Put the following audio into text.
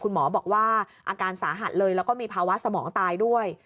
หมอบอกว่าอาการสาหัสเลยแล้วก็มีภาวะสมองตายด้วย